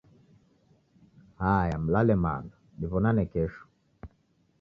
Haya mlale mana. Diw'onane kesho.